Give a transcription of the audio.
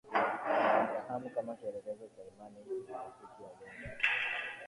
Abrahamu kama kielelezo cha imani na rafiki wa Mungu